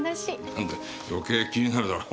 なんだよ余計気になるだろ。